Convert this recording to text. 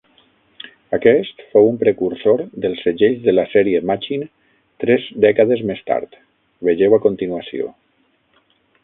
Aquest fou un precursor dels segells de la sèrie Machin tres dècades més tard: vegeu a continuació.